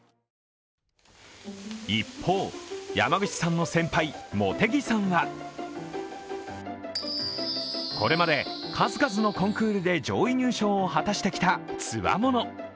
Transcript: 一方、山口さんの先輩・茂木さんはこれまで数々のコンクールで上位入賞をしてきたつわもの。